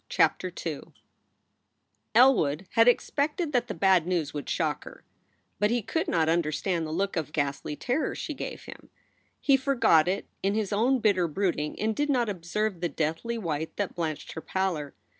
CHAPTER II "TJ LWOOD had expected that the bad news would shock C her. But he could not understand the look of ghastly terror she gave him. He forgot it in his own bitter brooding and did not observe the deathly white that blanched her pallor.